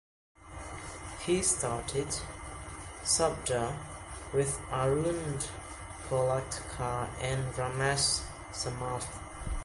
He started "Shabda" with Arun Kolatkar and Ramesh Samarth.